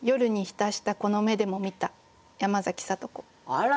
あら！